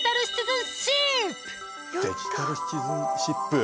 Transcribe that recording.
デジタルシチズンシップ？